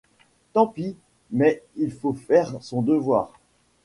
Tant pis, mais il faut faire son devoir.